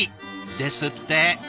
ですって。